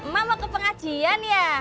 mak mau ke pengajian ya